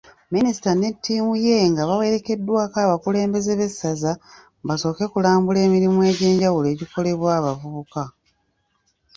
Minisita ne ttiimu ye nga bawerekeddwako abakulembeze b'essaza, basoose kulambula emirimu egy'enjawulo egikolebwa abavubuka.